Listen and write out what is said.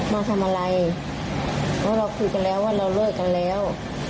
มาทำอะไรเพราะเราคุยกันแล้วว่าเราเลิกกันแล้ว